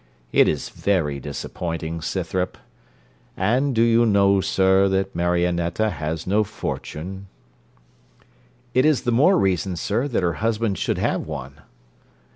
It is very disappointing, Scythrop. And do you know, sir, that Marionetta has no fortune?' 'It is the more reason, sir, that her husband should have one.'